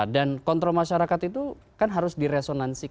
dan kontrol masyarakat itu kan harus diresonansikan